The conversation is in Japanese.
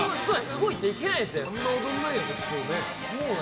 動いちゃいけないんですよね。